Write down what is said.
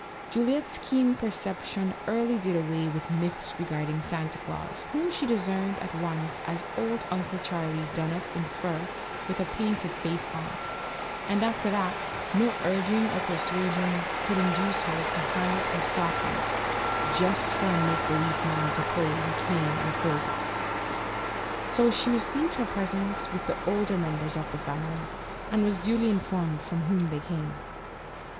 Juliette's keen perception early did away with myths regarding Santa Glaus, whom she discerned at once as "only Uncle Charlie done up in fur and with a painted face on," and, after that, no urging or persuasion could induce her to hang up her stocking "just for a make believe man to play he came and filled it." So she received her presents with the older members of the family, and was duly informed from whom they came.